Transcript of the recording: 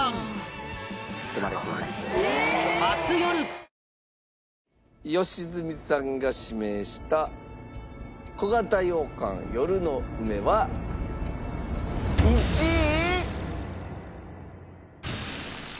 サントリー良純さんが指名した小形羊羹夜の梅は１位。